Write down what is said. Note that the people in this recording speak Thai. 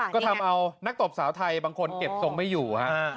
ก็ทำเอานักตบสาวไทยบางคนเก็บทรงไม่อยู่ฮะ